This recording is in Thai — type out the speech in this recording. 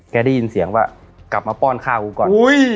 ได้ยินเสียงว่ากลับมาป้อนข้าวกูก่อน